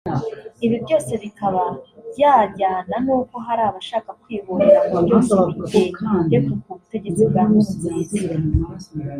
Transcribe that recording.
Ibi byose bikaba byajyana n’uko hari abashaka kwihorera ngo byose bigerekwe ku butegetsi bwa Nkurunziza